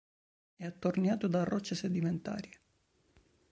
È attorniato da rocce sedimentarie.